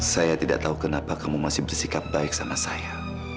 saya tidak tahu kenapa kamu masih bersikap baik sama saya